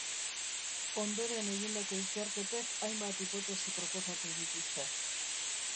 Ondoren egindako ikerketek hainbat hipotesi proposatu dituzte.